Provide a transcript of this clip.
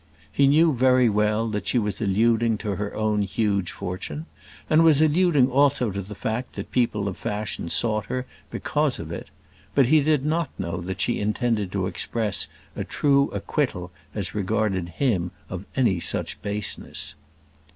He knew very well that she was alluding to her own huge fortune, and was alluding also to the fact that people of fashion sought her because of it; but he did not know that she intended to express a true acquittal as regarded him of any such baseness.